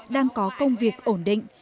đang có công việc ổn định